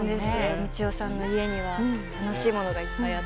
みちおさんの家には楽しいものがいっぱいあって。